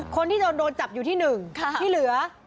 คนที่จะโดนจับอยู่ที่๑ที่เหลือ